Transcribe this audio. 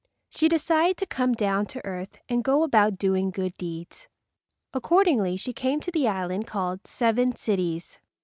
She decided to come down to earth and go about doing good deeds. Accordingly, she came to the island called Seven Cities.